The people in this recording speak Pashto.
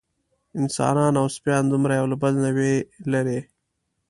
انسانان او سپیان دومره یو له بله نه وي لېرې.